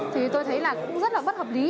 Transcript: thì tôi thấy là cũng rất là bất hợp lý